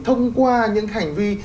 thông qua những hành vi